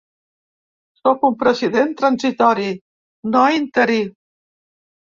Sóc un president transitori, no interí.